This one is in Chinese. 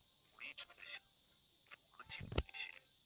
新北市区道列表列出新北市区道的起终点与里程。